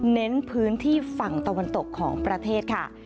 เน้นพื้นที่ฝั่งตะวันตกของประเทศค่ะ